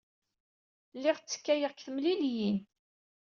Lliɣ ttekkayeɣ deg temliliyin.